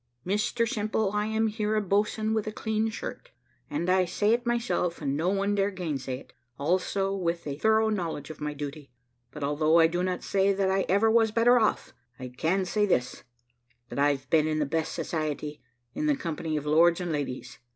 "Mr Simple, I am here a boatswain with a clean shirt, and, I say it myself, and no one dare gainsay it, also with a thorough knowledge of my duty. But although I do not say that I ever was better off, I can say this, that I've been in the best society, in the company of lords and ladies.